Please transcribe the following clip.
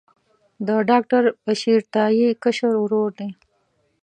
د ډاکټر بشیر تائي کشر ورور دی.